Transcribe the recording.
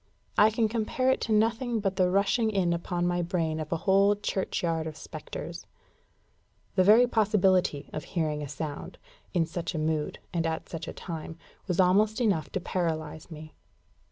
I can compare it to nothing but the rushing in upon my brain of a whole churchyard of spectres. The very possibility of hearing a sound, in such a mood, and at such a time, was almost enough to paralyse me.